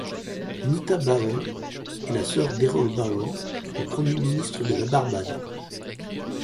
Nita Barrow est la sœur d'Errol Barrow, le premier Premier ministre de la Barbade.